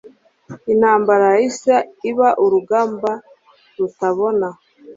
Intambara yahise iba urugamba rutabona.